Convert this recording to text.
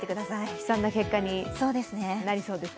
悲惨な結果になりそうですね。